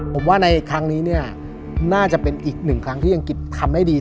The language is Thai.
ผมว่าในครั้งนี้เนี่ยน่าจะเป็นอีกหนึ่งครั้งที่อังกฤษทำได้ดี